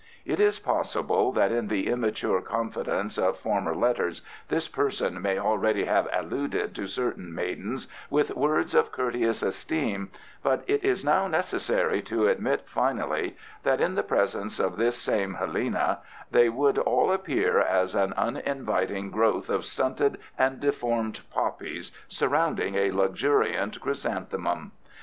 It is possible that in the immature confidence of former letters this person may already have alluded to certain maidens with words of courteous esteem, but it is now necessary to admit finally that in the presence of this same Helena they would all appear as an uninviting growth of stunted and deformed poppies surrounding a luxuriant chrysanthemum.